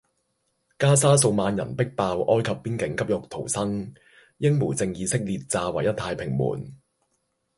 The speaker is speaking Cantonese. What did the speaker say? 加沙數萬人逼爆埃及邊界急欲逃生英媒證以色列炸「唯一太平門」